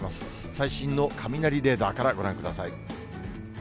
最新の雷レーダーからご覧ください。